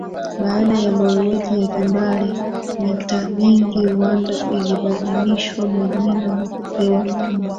Baada ya mauaji ya kimbali mitaa mingi Rwanda ilibadilishwa majina na kupewa namba